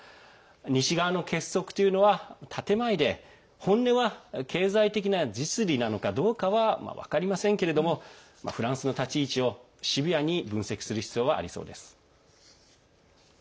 西側の結束というのは建て前で本音は経済的な実利なのかどうかは分かりませんけれどもフランスの立ち位置をシビアに分析する必要はありそうです。